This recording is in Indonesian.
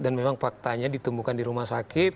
dan memang faktanya ditemukan di rumah sakit